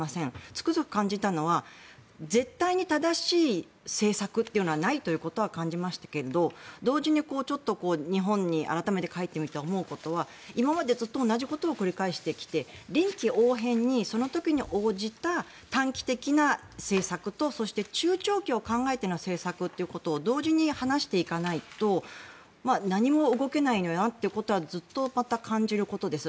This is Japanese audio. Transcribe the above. つくづく感じたのは絶対に正しい政策というのはないということは感じましたけれど同時に日本に改めて帰ってみて思うことは今までずっと同じことを繰り返してきて臨機応変にその時に応じた短期的な政策とそして、中長期を考えての政策ということを同時に話していかないと何も動けないのになということはずっとまた感じることです。